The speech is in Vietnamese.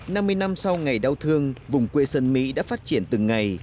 năm mươi năm sau ngày đau thương vùng quê sơn mỹ đã phát triển từng ngày